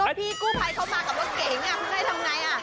ก็พี่กู้ภัยเข้ามากับรถเก๋งอ่ะเพิ่งให้ทำไงอ่ะ